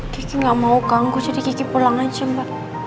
kiki gak mau ganggu jadi kiki pulang aja mbak